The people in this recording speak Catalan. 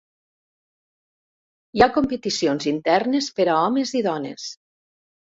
Hi ha competicions internes per a homes i dones.